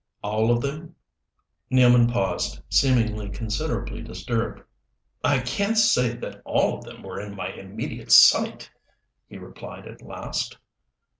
"All of them?" Nealman paused, seemingly considerably disturbed. "I can't say that all of them were in my immediate sight," he replied at last.